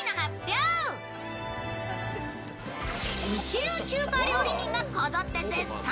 一流中華料理人がこぞって絶賛。